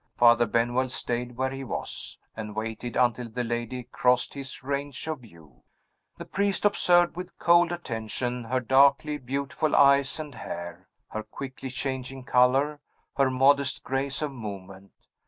Father Benwell stayed where he was, and waited until the lady crossed his range of view. The priest observed with cold attention her darkly beautiful eyes and hair, her quickly changing color, her modest grace of movement.